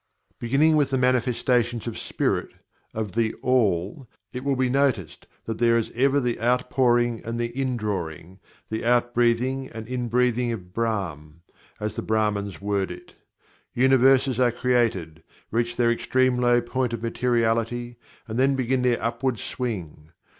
Beginning with the manifestations of Spirit of THE ALL it will be noticed that there is ever the Outpouring and the Indrawing; the "Outbreathing and Inbreathing of Brahm," as the Brahmans word it. Universes are created; reach their extreme low point of materiality; and then begin in their upward swing.